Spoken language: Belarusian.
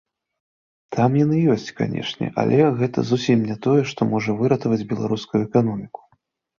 Там яны ёсць, канешне, але гэта зусім не тое, што можа выратаваць беларускую эканоміку.